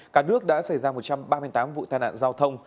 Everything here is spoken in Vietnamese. cả nước đã xảy ra một trăm ba mươi tám vụ tai nạn giao thông